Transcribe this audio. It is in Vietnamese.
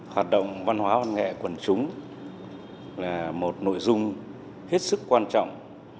hoạt động văn hóa văn nghệ quần chúng là một nội dung hết sức quan trọng